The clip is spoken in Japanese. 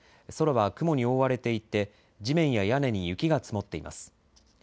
空は雲に覆われていて、地面や屋根に雪が積もっています。